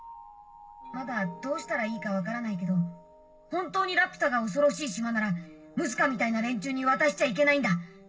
・まだどうしたらいいか分からないけど本当にラピュタが恐ろしい島ならムスカみたいな連中に渡しちゃいけないんだ